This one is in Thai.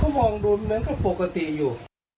เขามองแบบปกติอยู่